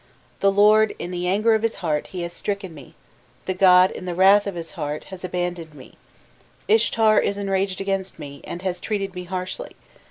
The lord, in the anger of his heart, he has stricken me, the god, in the wrath of his heart, has abandoned me, Ishtar is enraged against me, and has treated me harshly!